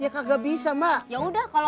ya udah di gantiin tuh original korsas